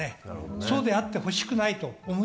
そうであってほしくない。